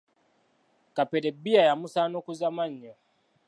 Kapere bbiya yamusaanukuza mmannyo .